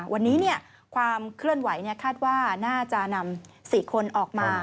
วันนี้ความเคลื่อนไหวคาดว่าน่าจะนำ๔คนออกมา